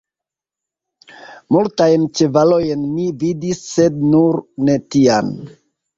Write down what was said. Multajn ĉevalojn mi vidis, sed nur ne tian!